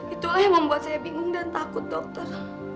itulah yang membuat saya bingung dan takut dokter